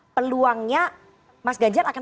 peluangnya mas ganjar akan